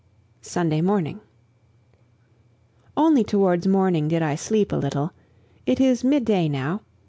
Sunday Morning. Only towards morning did I sleep a little. It is midday now.